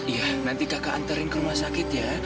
dek nanti kakak anterin ke rumah sakit ya